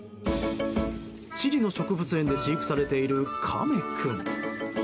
チリの植物園で飼育されているカメ君。